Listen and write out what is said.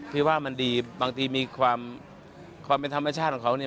พี่ว่ามันดีบางทีมีความเป็นธรรมชาติของเขาเนี่ย